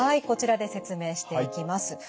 こちらで説明していきます。